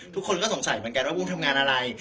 ทุกคนก็สงสัยเหมือนกันว่าวุ้นทำงานอะไร